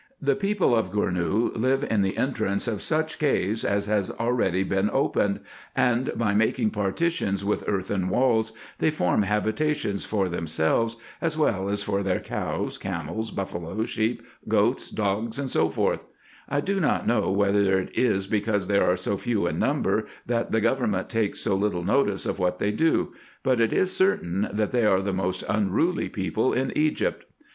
The people of Gournou live in the entrance of such caves as have already been opened, and, by making partitions with earthen walls, they form habitations for themselves, as well as for their cows, camels, buffaloes, sheep, goats, dogs, &c. I do not know whether it is because they are so few in number, that the government takes so little notice of what they do ; but it is certain, that they are the most unruly people in Egypt.